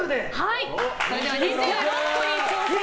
では、２６個に挑戦。